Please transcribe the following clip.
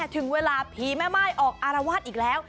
ถึงเวลาผีแม่ม่ายออกอารวาสอีกแล้ว